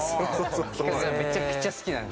企画がめちゃくちゃ好きなんですよ。